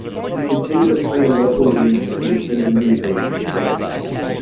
He continued to play in local leagues and became a newsagent.